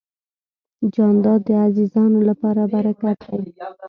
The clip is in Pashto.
جانداد د عزیزانو لپاره برکت دی.